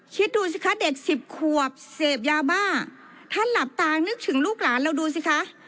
คิดดูสิคะเด็กสิบขวบเสพยาบ้าท่านหลับตานึกถึงลูกหลานเราดูสิคะ